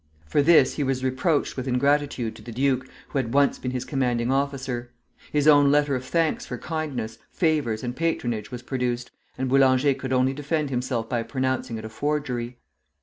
For this he was reproached with ingratitude to the duke, who had once been his commanding officer. His own letter of thanks for kindness, favors, and patronage was produced, and Boulanger could only defend himself by pronouncing it a forgery.